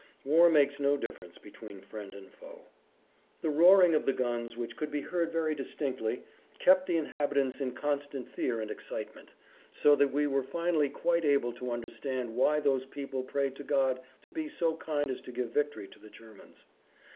War makes no difference between friend and foe. The roaring of the guns, which could be heard very distinctly, kept the inhabitants in constant fear and excitement, so that we were finally quite able to understand why those people prayed to God to be so kind as to give victory to the Germans.